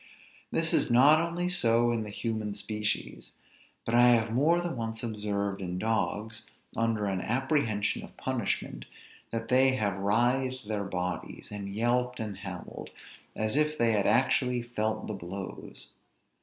This is not only so in the human species: but I have more than once observed in dogs, under an apprehension of punishment, that they have writhed their bodies, and yelped, and howled, as if they had actually felt the blows.